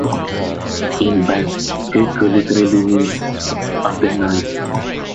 In Basque, Gaueko literally means "of the night".